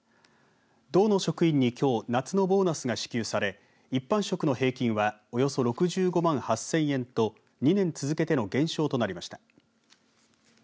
道の職員に、きょう夏のボーナスが支給され一般職の平均はおよそ６５万８０００円と２年続けての減少となりました。